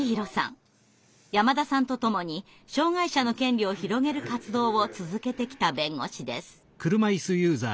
山田さんと共に障害者の権利を広げる活動を続けてきた弁護士です。